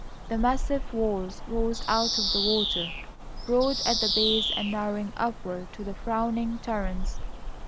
The massive walls rose out of the water, broad at the base and narrowing upward to the frowning turrets.